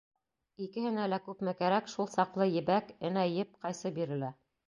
Икеһенә лә күпме кәрәк, шул саҡлы ебәк, энә-еп, ҡайсы бирелә.